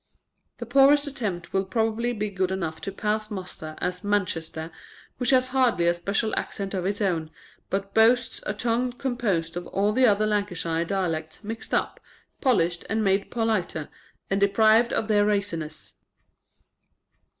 The poorest attempt will probably be good enough to pass muster as " Manchester," which has hardly a special accent of its own, but boasts a tongue composed of all the other Lancashire dialects mixed up, polished and made politer, and deprived of their raciness.